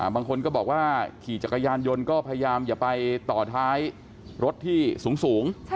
บางคนก็บอกว่าขี่จักรยานยนต์ก็พยายามอย่าไปต่อท้ายรถที่สูง